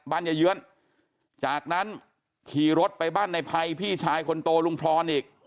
ยาเยื้อนจากนั้นขี่รถไปบ้านในภัยพี่ชายคนโตลุงพรอีก